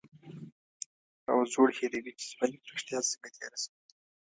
او زوړ هېروي چې ځواني په رښتیا څنګه تېره شوه.